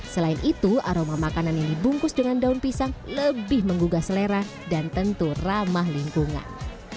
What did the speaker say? selain itu aroma makanan yang dibungkus dengan daun pisang lebih menggugah selera dan tentu ramah lingkungan